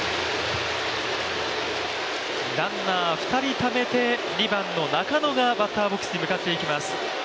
ランナー２人ためて、２番の中野がバッターボックスに向かっていきます。